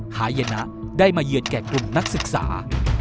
หายนะได้มาเยือนแก่กลุ่มนักศึกษา